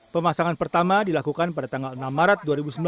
pemasangan pertama dilakukan pada tanggal enam maret dua ribu sembilan belas